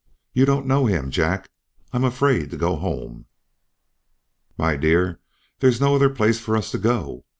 You don't know him, Jack. I'm afraid to go home." "My dear, there's no other place for us to go.